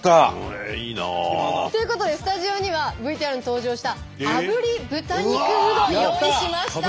えっいいな。ということでスタジオにはＶＴＲに登場したあぶり豚肉うどん用意しました。